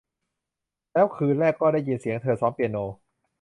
แล้วคืนแรกก็ได้ยินเสียงเธอซ้อมเปียโน